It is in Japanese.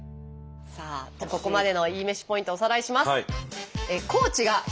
さあここまでのいいめしポイントおさらいします。